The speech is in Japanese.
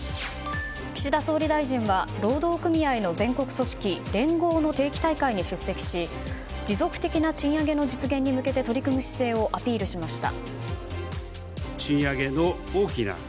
岸田総理大臣は労働組合の全国組織、連合の定期大会に出席し持続的な賃上げの実現に向けて取り組む姿勢をアピールしました。